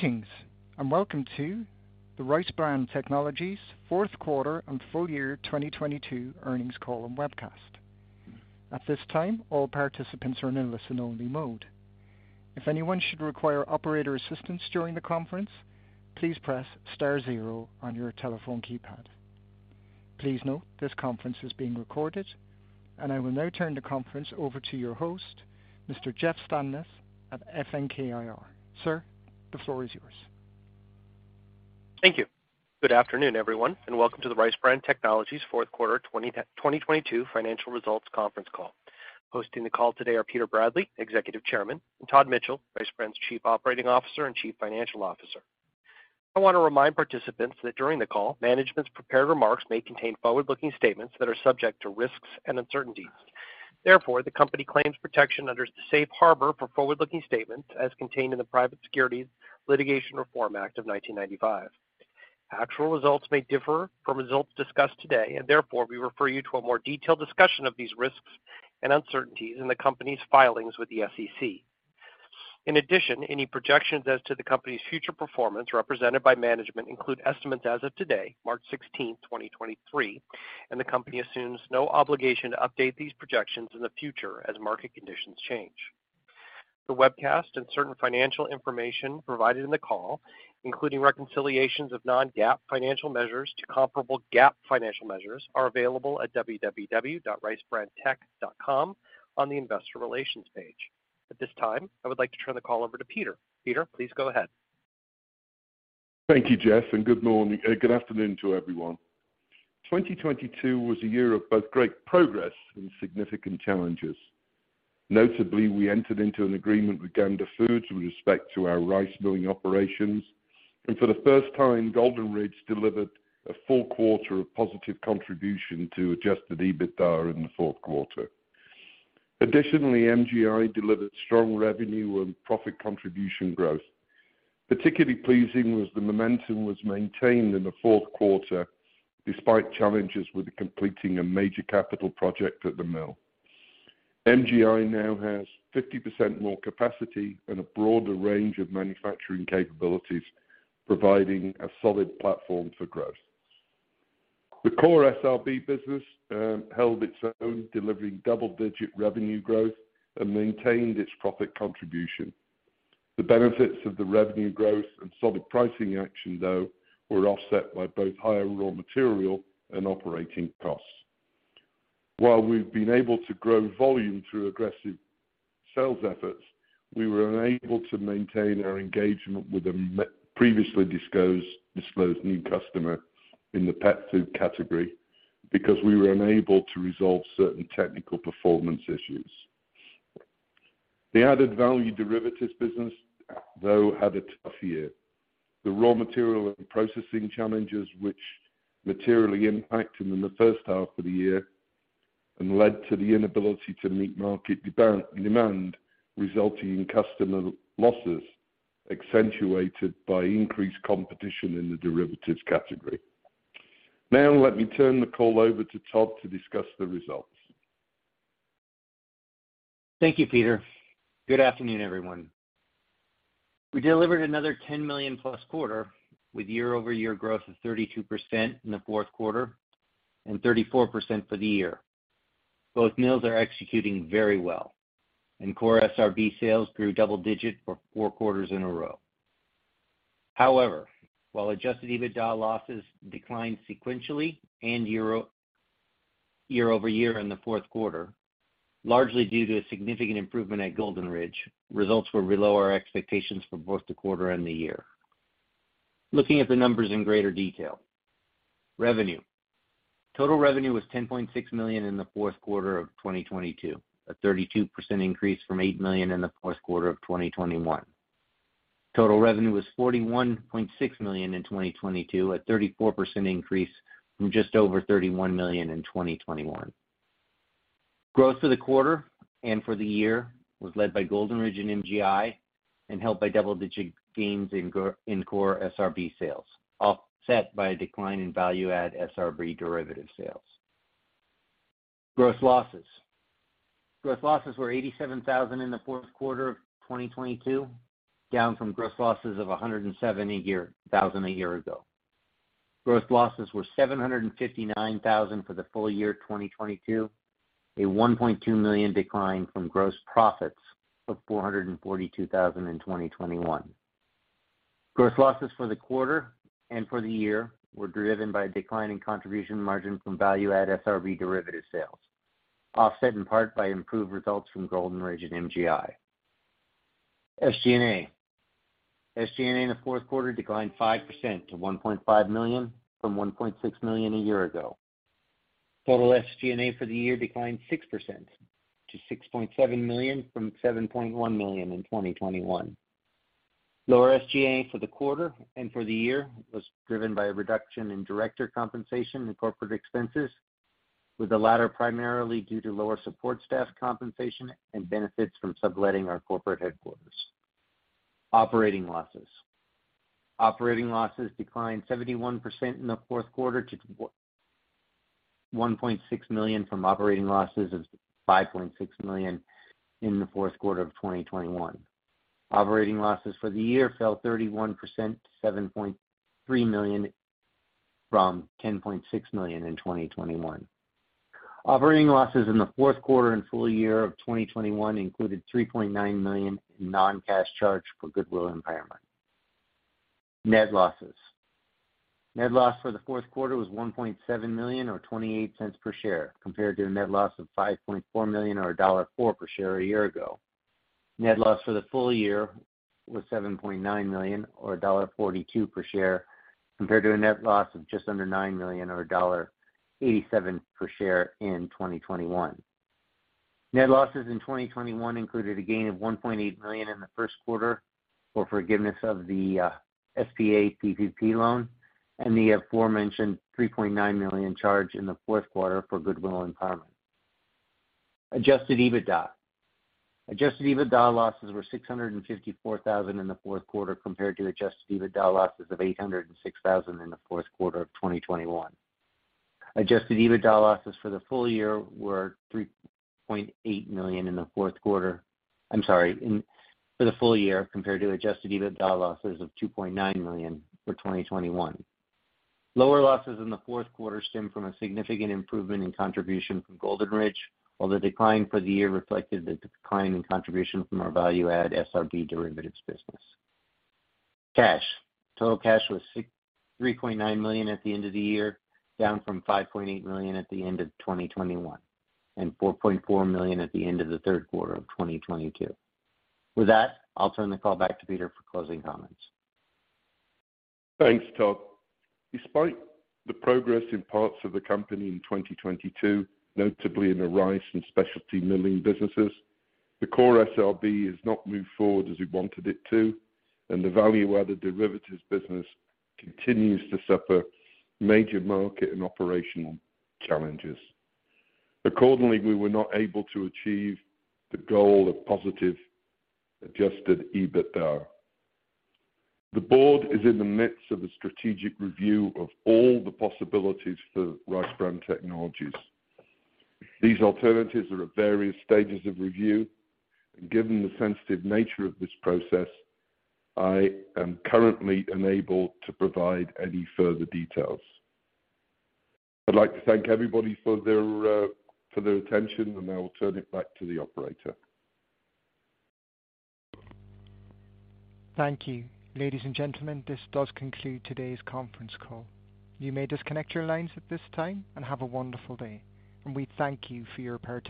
Greetings and welcome to the RiceBran Technologies fourth quarter and full year 2022 earnings call and webcast. At this time, all participants are in listen only mode. If anyone should require operator assistance during the conference, please press star zero on your telephone keypad. Please note this conference is being recorded, and I will now turn the conference over to your host, Mr. Jeff Stanlis at FNK IR. Sir, the floor is yours. Thank you. Good afternoon, everyone, welcome to the RiceBran Technologies fourth quarter 2022 financial results conference call. Hosting the call today are Peter Bradley, Executive Chairman, and Todd Mitchell, RiceBran's Chief Operating Officer and Chief Financial Officer. I want to remind participants that during the call, management's prepared remarks may contain forward-looking statements that are subject to risks and uncertainties. The company claims protection under the safe harbor for forward-looking statements as contained in the Private Securities Litigation Reform Act of 1995. Actual results may differ from results discussed today, therefore we refer you to a more detailed discussion of these risks and uncertainties in the company's filings with the SEC. In addition, any projections as to the company's future performance represented by management include estimates as of today, March 16, 2023, and the company assumes no obligation to update these projections in the future as market conditions change. The webcast and certain financial information provided in the call, including reconciliations of non-GAAP financial measures to comparable GAAP financial measures, are available at www.ricebrantech.com on the investor relations page. At this time, I would like to turn the call over to Peter. Peter, please go ahead. Thank you, Jeff. Good morning, good afternoon to everyone. 2022 was a year of both great progress and significant challenges. Notably, we entered into an agreement with Gander Foods with respect to our rice milling operations, and for the first time, Golden Ridge delivered a full quarter of positive contribution to adjusted EBITDA in the fourth quarter. Additionally, MGI delivered strong revenue and profit contribution growth. Particularly pleasing was the momentum was maintained in the fourth quarter despite challenges with completing a major capital project at the mill. MGI now has 50% more capacity and a broader range of manufacturing capabilities, providing a solid platform for growth. The core SRB business held its own, delivering double-digit revenue growth and maintained its profit contribution. The benefits of the revenue growth and solid pricing action, though, were offset by both higher raw material and operating costs. While we've been able to grow volume through aggressive sales efforts, we were unable to maintain our engagement with a previously disclosed new customer in the pet food category because we were unable to resolve certain technical performance issues. The added value derivatives business, though, had a tough year. The raw material and processing challenges which materially impacted in the first half of the year and led to the inability to meet market demand, resulting in customer losses, accentuated by increased competition in the derivatives category. Let me turn the call over to Todd to discuss the results. Thank you, Peter. Good afternoon, everyone. We delivered another $10 million-plus quarter, with year-over-year growth of 32% in the fourth quarter and 34% for the year. Both mills are executing very well, and core SRB sales grew double digit for four quarters in a row. However, while adjusted EBITDA losses declined sequentially and year-over-year in the fourth quarter, largely due to a significant improvement at Golden Ridge, results were below our expectations for both the quarter and the year. Looking at the numbers in greater detail. Revenue. Total revenue was $10.6 million in the fourth quarter of 2022, a 32% increase from $8 million in the fourth quarter of 2021. Total revenue was $41.6 million in 2022, a 34% increase from just over $31 million in 2021. Growth for the quarter and for the year was led by Golden Ridge and MGI and helped by double-digit gains in core SRB sales, offset by a decline in value-add SRB derivative sales. Gross losses were $87,000 in the fourth quarter of 2022, down from gross losses of $170,000 a year ago. Gross losses were $759,000 for the full year 2022, a $1.2 million decline from gross profits of $442,000 in 2021. Gross losses for the quarter and for the year were driven by a decline in contribution margin from value-add SRB derivative sales, offset in part by improved results from Golden Ridge and MGI. SG&A in the fourth quarter declined 5% to $1.5 million from $1.6 million a year ago. Total SG&A for the year declined 6% to $6.7 million from $7.1 million in 2021. Lower SG&A for the quarter and for the year was driven by a reduction in director compensation and corporate expenses, with the latter primarily due to lower support staff compensation and benefits from subletting our corporate headquarters. Operating losses declined 71% in the fourth quarter to four-One $0.6 million from operating losses of $5.6 million in the fourth quarter of 2021. Operating losses for the year fell 31%, $7.3 million from $10.6 million in 2021. Operating losses in the fourth quarter and full year of 2021 included $3.9 million in non-cash charge for goodwill impairment. Net losses. Net loss for the fourth quarter was $1.7 million or $0.28 per share, compared to a net loss of $5.4 million or $1.04 per share a year ago. Net loss for the full year was $7.9 million or $1.42 per share, compared to a net loss of just under $9 million or $1.87 per share in 2021. Net losses in 2021 included a gain of $1.8 million in the first quarter for forgiveness of the SBA PPP loan and the aforementioned $3.9 million charge in the fourth quarter for goodwill impairment. Adjusted EBITDA. Adjusted EBITDA losses were $654,000 in the fourth quarter compared to adjusted EBITDA losses of $806,000 in the fourth quarter of 2021. adjusted EBITDA losses for the full year were $3.8 million in the fourth quarter... I'm sorry. For the full year compared to adjusted EBITDA losses of $2.9 million for 2021. Lower losses in the fourth quarter stem from a significant improvement in contribution from Golden Ridge, while the decline for the year reflected the decline in contribution from our value-add SRB derivatives business. Cash. Total cash was $3.9 million at the end of the year, down from $5.8 million at the end of 2021, and $4.4 million at the end of the third quarter of 2022. With that, I'll turn the call back to Peter for closing comments. Thanks, Todd. Despite the progress in parts of the company in 2022, notably in the rice and specialty milling businesses, the core SRB has not moved forward as we wanted it to. The value-added derivatives business continues to suffer major market and operational challenges. Accordingly, we were not able to achieve the goal of positive adjusted EBITDA. The board is in the midst of a strategic review of all the possibilities for RiceBran Technologies. These alternatives are at various stages of review. Given the sensitive nature of this process, I am currently unable to provide any further details. I'd like to thank everybody for their for their attention. I will turn it back to the operator. Thank you. Ladies and gentlemen, this does conclude today's conference call. You may disconnect your lines at this time and have a wonderful day. We thank you for your participation.